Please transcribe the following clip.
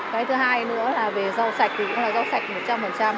cái thứ hai nữa là về rau sạch thì cũng là rau sạch một trăm linh